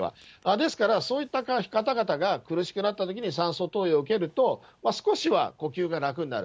ですから、そういった方々が苦しくなったときに、酸素投与を受けると、少しは呼吸が楽になる。